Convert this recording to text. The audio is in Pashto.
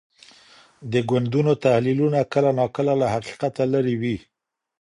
د ګوندونو تحلیلونه کله ناکله له حقیقته لرې وي.